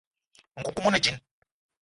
Nkoukouma one djinn.